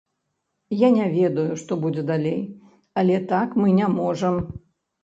Я не ведаю, што будзе далей, але так мы не можам.